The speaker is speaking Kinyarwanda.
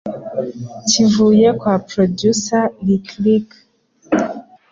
kivuye kwa producer lick lick